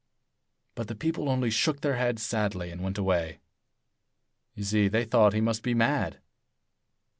But the people only shook their heads sadly and went away. You see, they thought he must be mad.